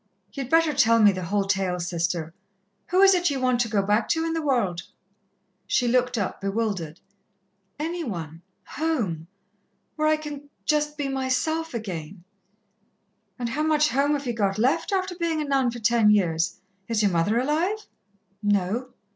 "Ye'd better tell me the whole tale, Sister. Who is it ye want to go back to in the world?" She looked up, bewildered. "Any one home. Where I can just be myself again " "And how much home have ye got left, after being a nun ten years? Is your mother alive?" "No."